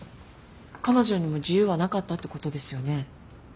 彼女にも自由はなかったってことですよね？